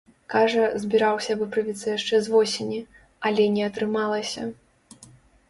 Кажа, збіраўся выправіцца яшчэ з восені, але не атрымалася.